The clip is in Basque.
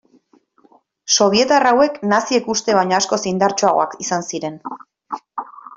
Sobietar hauek naziek uste baino askoz indartsuagoak izan ziren.